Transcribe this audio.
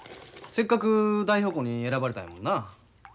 せっかく代表校に選ばれたんやもんな。